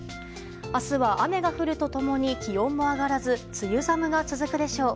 明日は雨が降ると共に気温も上がらず梅雨寒が続くでしょう。